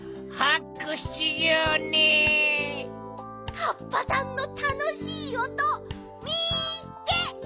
カッパさんのたのしいおとみっけ！